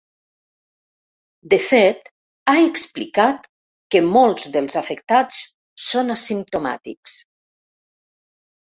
De fet, ha explicat que molts dels afectats són asimptomàtics.